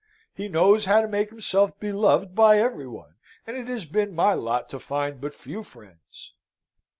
He knows how to make himself beloved by every one, and it has been my lot to find but few friends."